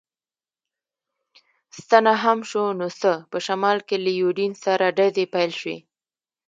ستنه هم شو، نو څه، په شمال کې له یوډین سره ډزې پیل شوې.